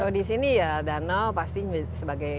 kalau di sini ya danau pasti sebagai